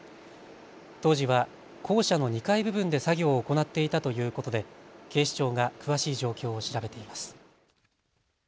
当時は校舎の２階部分で作業を行っていたということで警視庁が詳しい状況を調べています。